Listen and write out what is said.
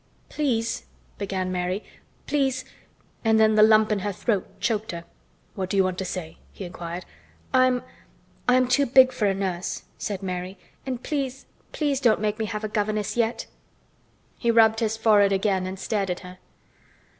"Please," began Mary. "Please—" and then the lump in her throat choked her. "What do you want to say?" he inquired. "I am—I am too big for a nurse," said Mary. "And please—please don't make me have a governess yet." He rubbed his forehead again and stared at her.